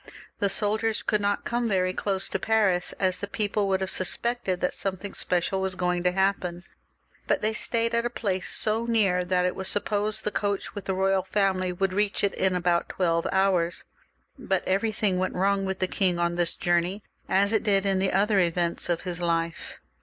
The soldiers could not come quite close to Paris, as the people would have suspected that something special was going to happen, but they stayed at a place so near, that it was supposed the coach with the royal family would reach it in about twelve hours. But everything went wrong with the king on this journey, as it did in the other events of his life.